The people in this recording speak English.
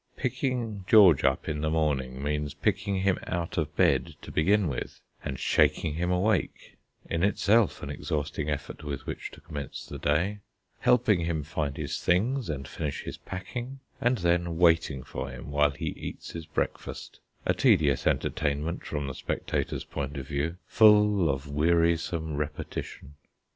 Picking George up in the morning means picking him out of bed to begin with, and shaking him awake in itself an exhausting effort with which to commence the day; helping him find his things and finish his packing; and then waiting for him while he eats his breakfast, a tedious entertainment from the spectator's point of view, full of wearisome repetition.